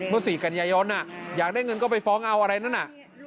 ภาษีกัญญาโยนอ่ะอยากได้เงินก็ไปฟ้องเอาอะไรนั่นอ่ะ